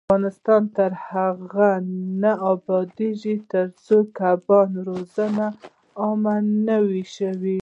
افغانستان تر هغو نه ابادیږي، ترڅو د کبانو روزنه عامه نشي.